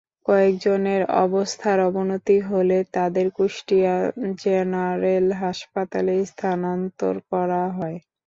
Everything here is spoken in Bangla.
কয়েকজনের অবস্থার অবনতি হলে তাঁদের কুষ্টিয়া জেনারেল হাসপাতালে স্থানান্তর করা হয়।